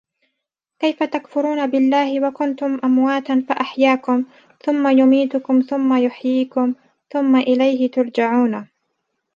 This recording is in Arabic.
كَيْفَ تَكْفُرُونَ بِاللَّهِ وَكُنْتُمْ أَمْوَاتًا فَأَحْيَاكُمْ ۖ ثُمَّ يُمِيتُكُمْ ثُمَّ يُحْيِيكُمْ ثُمَّ إِلَيْهِ تُرْجَعُونَ